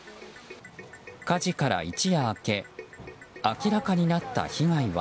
火事から一夜明け明らかになった被害は。